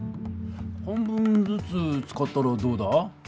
半分ずつ使ったらどうだ？